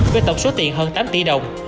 với tổng số tiền hơn tám tỷ đồng